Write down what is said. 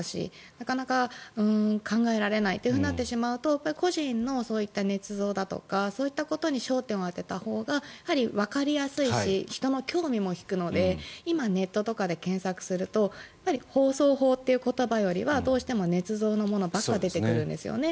なかなか考えられないとなってしまうと個人のねつ造だとかそういったことに焦点を当てたほうがわかりやすいし人の興味も引くので今、ネットとかで検索すると放送法という言葉よりはどうしてもねつ造のものばっかり出てくるんですよね。